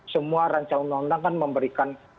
semua rancang undang undang kan memberikan